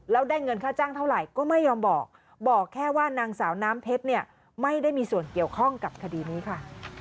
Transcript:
แล้วได้เงินค่าจ้างเท่าไหร่ก็ไม่ยอมบอกบอกแค่ว่านางสาวน้ำเพชรเนี่ยไม่ได้มีส่วนเกี่ยวข้องกับคดีนี้ค่ะ